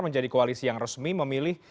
menjadi koalisi yang resmi memilih